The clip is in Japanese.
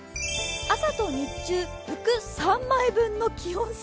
朝と日中、服３枚分の気温差。